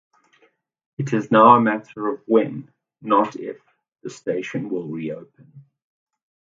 It is now a matter of when, not if, the station will reopen.